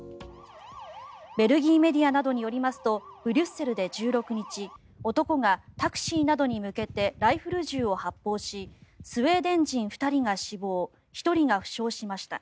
ベルギーメディアなどによりますとブリュッセルで１６日男がタクシーなどに向けてライフル銃を発砲しスウェーデン人２人が死亡１人が負傷しました。